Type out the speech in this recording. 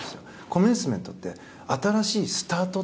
コメンスメントって新しいスタート。